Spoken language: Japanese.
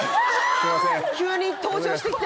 すいません